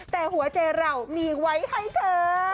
แต่หัวใจเรามีไว้ให้เธอ